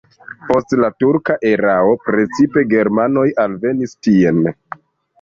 Post la turka erao precipe germanoj alvenis tien.